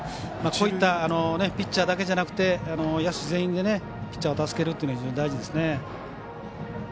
こういったピッチャーだけじゃなくて野手全員でピッチャーを助けるというのが非常に大事ですね。